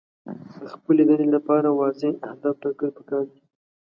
د خپلې دندې لپاره واضح اهداف ټاکل پکار دي.